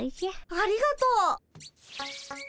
ありがとう。